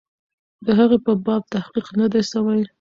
د هغې په باب تحقیق نه دی سوی.